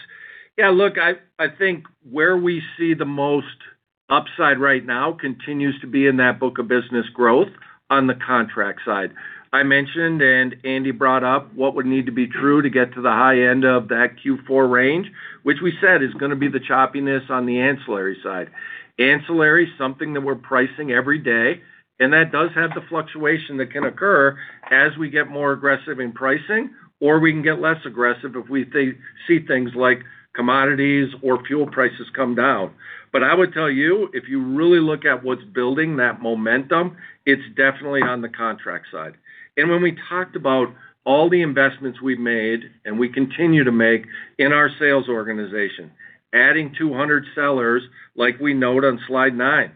Look, I think where we see the most upside right now continues to be in that book of business growth on the contract side. I mentioned, Andy brought up what would need to be true to get to the high end of that Q4 range, which we said is going to be the choppiness on the ancillary side. Ancillary is something that we're pricing every day. That does have the fluctuation that can occur as we get more aggressive in pricing, or we can get less aggressive if we see things like commodities or fuel prices come down. I would tell you, if you really look at what's building that momentum, it's definitely on the contract side. When we talked about all the investments we've made and we continue to make in our sales organization, adding 200 sellers like we note on slide nine.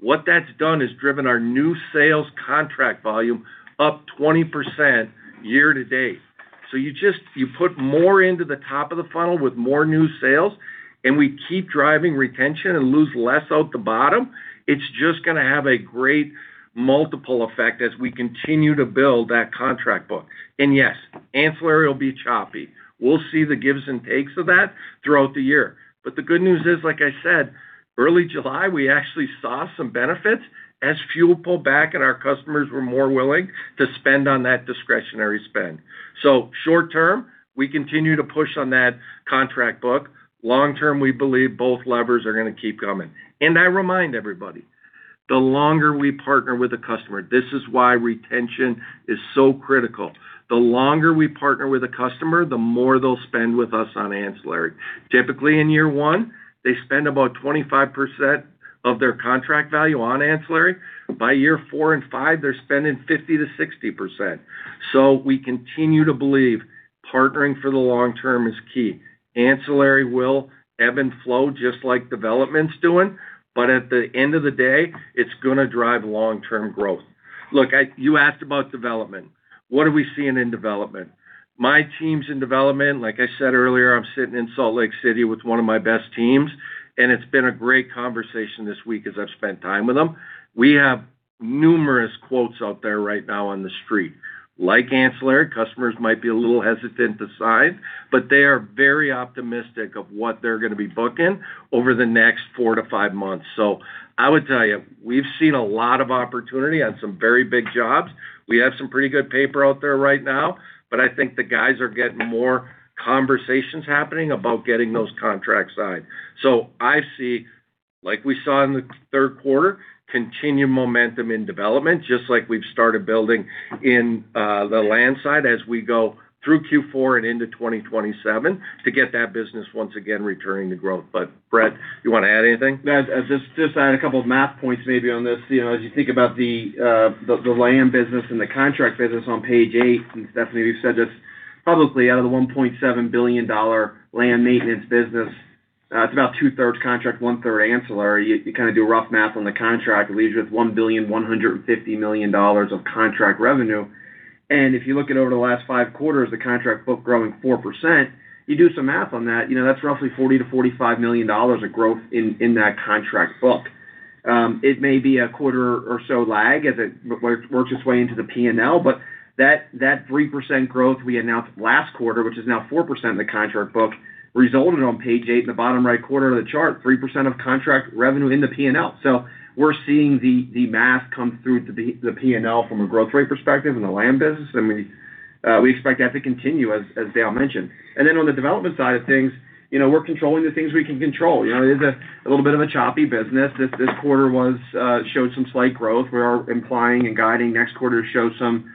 What that's done is driven our new sales contract volume up 20% year-to-date. You put more into the top of the funnel with more new sales, we keep driving retention and lose less out the bottom. It's just going to have a great multiple effect as we continue to build that contract book. Yes, ancillary will be choppy. We'll see the gives and takes of that throughout the year. The good news is, like I said, early July, we actually saw some benefits as fuel pulled back and our customers were more willing to spend on that discretionary spend. Short term, we continue to push on that contract book. Long term, we believe both levers are going to keep coming. I remind everybody, the longer we partner with a customer, this is why retention is so critical. The longer we partner with a customer, the more they'll spend with us on ancillary. Typically in year one, they spend about 25% of their contract value on ancillary. By year four and five, they're spending 50%-60%. We continue to believe partnering for the long term is key. Ancillary will ebb and flow just like development's doing, at the end of the day, it's going to drive long-term growth. Look, you asked about development. What are we seeing in development? My teams in development, like I said earlier, I'm sitting in Salt Lake City with one of my best teams, it's been a great conversation this week as I've spent time with them. We have numerous quotes out there right now on the street. Like ancillary, customers might be a little hesitant to sign, but they are very optimistic of what they're going to be booking over the next four to five months. I would tell you, we've seen a lot of opportunity on some very big jobs. We have some pretty good paper out there right now, but I think the guys are getting more conversations happening about getting those contracts signed. I see, like we saw in the third quarter, continued momentum in development, just like we've started building in the land side as we go through Q4 and into 2027 to get that business once again returning to growth. Brett, you want to add anything? Yeah. Just add a couple of map points maybe on this. As you think about the land business and the contract business on page eight, Stephanie, we've said this publicly, out of the $1.7 billion land maintenance business It's about two-thirds contract, one-third ancillary. You kind of do a rough math on the contract, it leaves you with $1,150,000,000 of contract revenue. If you look at over the last five quarters, the contract book growing 4%, you do some math on that's roughly $40 million to $45 million of growth in that contract book. It may be a quarter or so lag as it works its way into the P&L, but that 3% growth we announced last quarter, which is now 4% in the contract book, resulted on page eight in the bottom right quarter of the chart, 3% of contract revenue in the P&L. We're seeing the math come through to the P&L from a growth rate perspective in the land business, we expect that to continue, as Dale mentioned. On the development side of things, we're controlling the things we can control. It's a little bit of a choppy business. This quarter showed some slight growth. We are implying and guiding next quarter to show some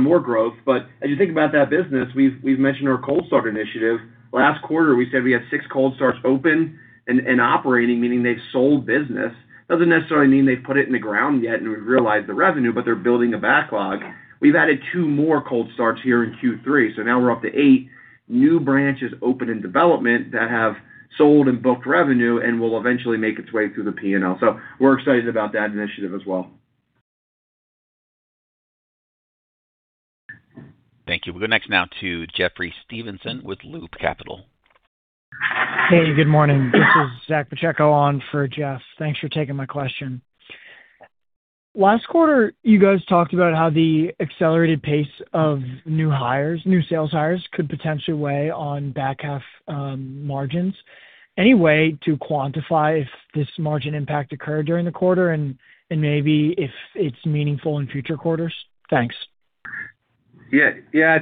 more growth. As you think about that business, we've mentioned our cold start initiative. Last quarter, we said we had six cold starts open and operating, meaning they've sold business. Doesn't necessarily mean they've put it in the ground yet, and we've realized the revenue, but they're building a backlog. We've added two more cold starts here in Q3, now we're up to eight new branches open in development that have sold and booked revenue and will eventually make its way through the P&L. We're excited about that initiative as well. Thank you. We'll go next now to Jeffrey Stevenson with Loop Capital. Hey, good morning. This is Zach Pacheco on for Jeff. Thanks for taking my question. Last quarter, you guys talked about how the accelerated pace of new sales hires could potentially weigh on back-half margins. Any way to quantify if this margin impact occurred during the quarter, and maybe if it's meaningful in future quarters? Thanks. Yeah.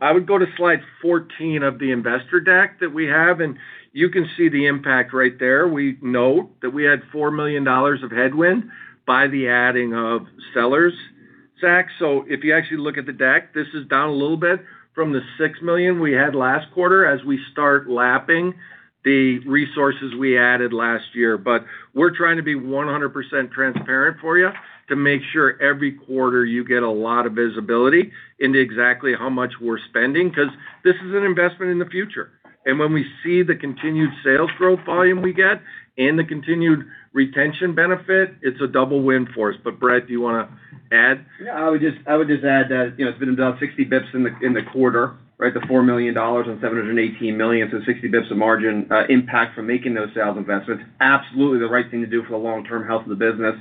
I would go to slide 14 of the investor deck that we have, and you can see the impact right there. We note that we had $4 million of headwind by the adding of sellers, Zach. If you actually look at the deck, this is down a little bit from the $6 million we had last quarter as we start lapping the resources we added last year. We're trying to be 100% transparent for you to make sure every quarter you get a lot of visibility into exactly how much we're spending, because this is an investment in the future. When we see the continued sales growth volume we get and the continued retention benefit, it's a double win for us. Brett, do you want to add? Yeah, I would just add that it's been about 60 basis points in the quarter, right? The $4 million on $718 million. 60 basis points of margin impact from making those sales investments, absolutely the right thing to do for the long-term health of the business,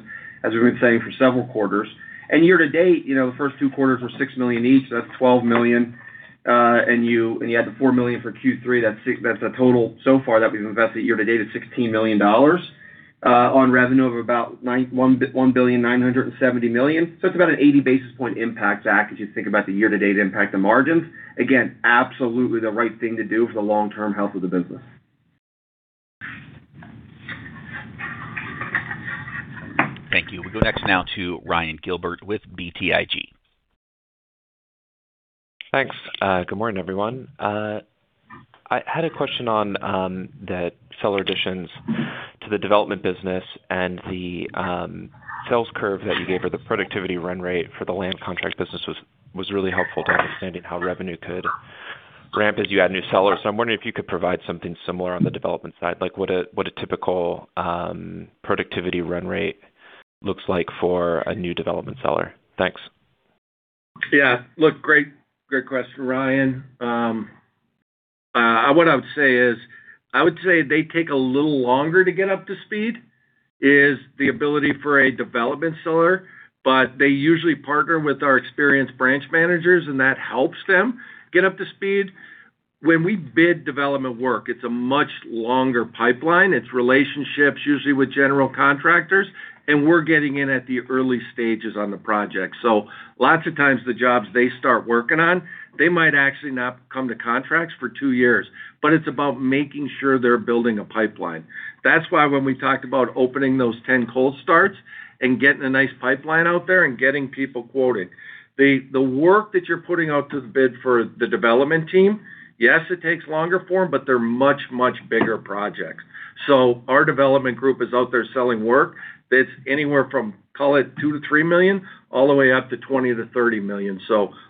as we've been saying for several quarters. Year-to-date, the first two quarters were $6 million each, so that's $12 million. You add the $4 million for Q3, that's a total so far that we've invested year to date of $16 million on revenue of about $1.97 billion. It's about an 80 basis point impact, Zach, as you think about the year to date impact of margins. Again, absolutely the right thing to do for the long-term health of the business. Thank you. We go next now to Ryan Gilbert with BTIG. Thanks. Good morning, everyone. I had a question on the seller additions to the development business and the sales curve that you gave, or the productivity run rate for the land contract business was really helpful to understanding how revenue could ramp as you add new sellers. I'm wondering if you could provide something similar on the development side, like what a typical productivity run rate looks like for a new development seller. Thanks. Yeah. Look, great question, Ryan. What I would say is, I would say they take a little longer to get up to speed, is the ability for a development seller, but they usually partner with our experienced branch managers, and that helps them get up to speed. When we bid development work, it's a much longer pipeline. It's relationships usually with general contractors, and we're getting in at the early stages on the project. Lots of times the jobs they start working on, they might actually not come to contracts for two years. It's about making sure they're building a pipeline. That's why when we talked about opening those 10 cold starts and getting a nice pipeline out there and getting people quoted. The work that you're putting out to bid for the development team, yes, it takes longer for them, but they're much, much bigger projects. Our development group is out there selling work that's anywhere from, call it $2 million-$3 million, all the way up to $20 million-$30 million.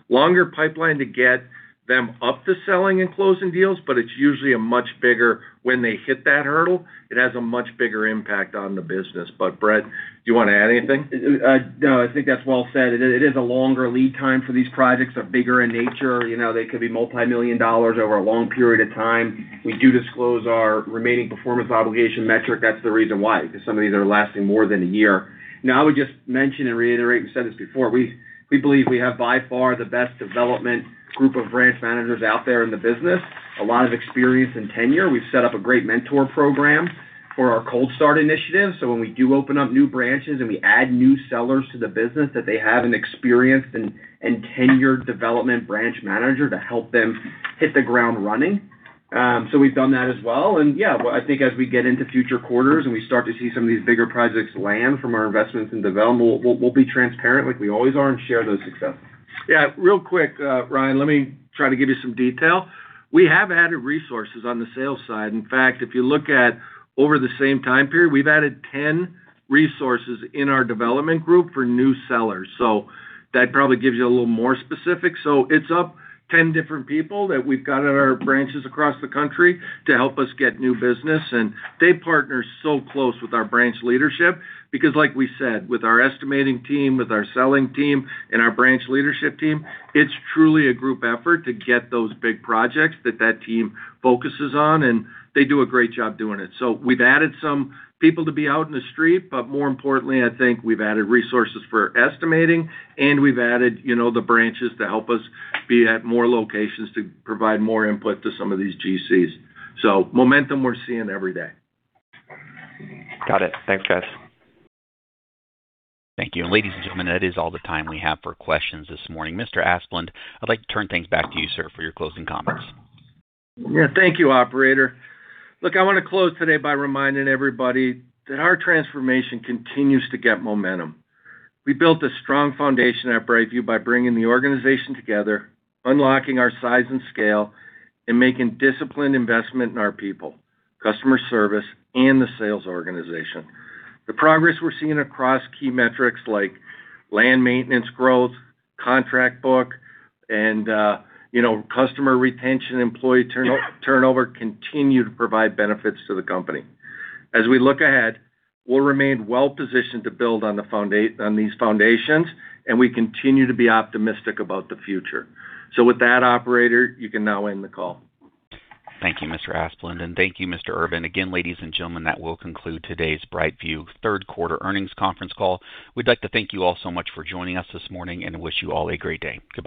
Longer pipeline to get them up to selling and closing deals, but when they hit that hurdle, it has a much bigger impact on the business. Brett, do you want to add anything? No, I think that's well said. It is a longer lead time for these projects. They're bigger in nature. They could be multimillion dollar over a long period of time. We do disclose our Remaining Performance Obligation metric. That's the reason why, because some of these are lasting more than a year. I would just mention and reiterate, we've said this before, we believe we have by far the best development group of branch managers out there in the business. A lot of experience and tenure. We've set up a great mentor program for our cold start initiative. When we do open up new branches and we add new sellers to the business, that they have an experienced and tenured development branch manager to help them hit the ground running. We've done that as well. Yeah, I think as we get into future quarters and we start to see some of these bigger projects land from our investments in development, we'll be transparent like we always are and share those successes. Yeah, real quick, Ryan, let me try to give you some detail. We have added resources on the sales side. In fact, if you look at over the same time period, we've added 10 resources in our development group for new sellers. That probably gives you a little more specific. It's up 10 different people that we've got at our branches across the country to help us get new business. They partner so close with our branch leadership because like we said, with our estimating team, with our selling team, and our branch leadership team, it's truly a group effort to get those big projects that that team focuses on, and they do a great job doing it. We've added some people to be out in the street, but more importantly, I think we've added resources for estimating, and we've added the branches to help us be at more locations to provide more input to some of these GCs. Momentum we're seeing every day. Got it. Thanks, guys. Thank you. Ladies and gentlemen, that is all the time we have for questions this morning. Mr. Asplund, I'd like to turn things back to you, sir, for your closing comments. Yeah. Thank you, operator. Look, I want to close today by reminding everybody that our transformation continues to get momentum. We built a strong foundation at BrightView by bringing the organization together, unlocking our size and scale, and making disciplined investment in our people, customer service, and the sales organization. The progress we're seeing across key metrics like land maintenance growth, contract book, and customer retention, employee turnover continue to provide benefits to the company. As we look ahead, we'll remain well-positioned to build on these foundations, and we continue to be optimistic about the future. With that, operator, you can now end the call. Thank you, Mr. Asplund, and thank you, Mr. Urban. Again, ladies and gentlemen, that will conclude today's BrightView third quarter earnings conference call. We'd like to thank you all so much for joining us this morning and wish you all a great day. Goodbye